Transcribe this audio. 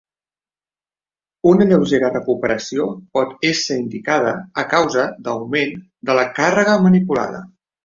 Una lleugera recuperació pot ésser indicada a causa d'augment de la càrrega manipulada.